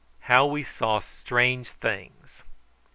HOW WE SAW STRANGE THINGS.